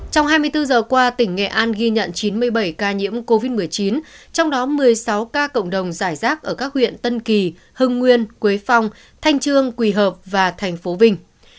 trong hai mươi bốn giờ qua tỉnh nghệ an ghi nhận chín mươi bảy ca nhiễm covid một mươi chín trong đó một mươi sáu ca cộng đồng giải rác ở các huyện tân kỳ hưng nguyên quế phong thanh trương quỳ hợp và thành phố vinh